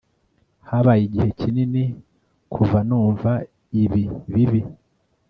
habaye igihe kinini kuva numva ibi bibi